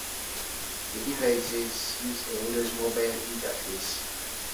The devices use a Windows Mobile interface.